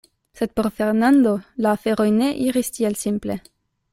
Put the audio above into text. Sed por Fernando la aferoj ne iris tiel simple.